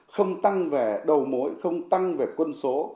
không tăng về đầu mối không tăng về quân số